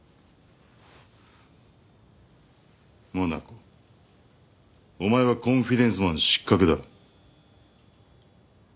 モナコお前はコンフィデンスマン失格だ。